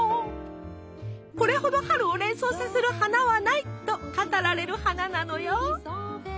これほど春を連想させる花はないと語られる花なのよ。